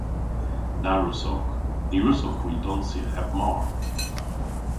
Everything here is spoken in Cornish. Na wrussowgh. Ny wrussowgh hwi donsya heb mar!